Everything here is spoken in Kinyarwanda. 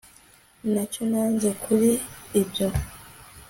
ntacyo nanze kuri ibyo